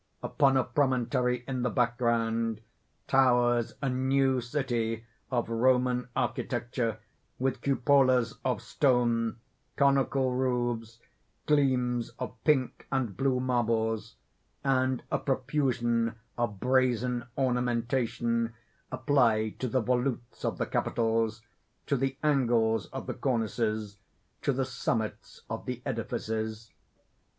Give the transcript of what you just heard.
Upon a promontory in the background, towers a new city of Roman architecture, with cupolas of stone, conical roofs, gleams of pink and blue marbles, and a profusion of brazen ornamentation applied to the volutes of the capitals, to the angles of the cornices, to the summits of the edifices.